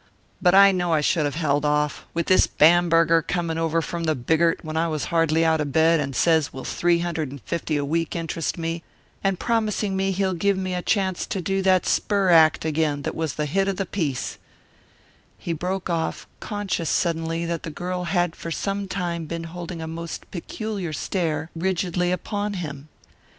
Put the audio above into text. But I know I should have held off with this Bamberger coming over from the Bigart when I was hardly out of bed, and says will three hundred and fifty a week interest me and promising he'll give me a chance to do that spur act again that was the hit of the piece " He broke off, conscious suddenly that the girl had for some time been holding a most peculiar stare rigidly upon him.